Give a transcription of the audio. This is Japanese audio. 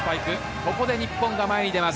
ここで日本が前に出ます。